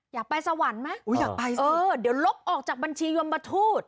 อยากไปสวรรค์ไหมอยากไปเออเดี๋ยวลบออกจากบัญชียมทูต